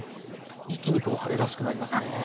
一気に春らしくなりますね。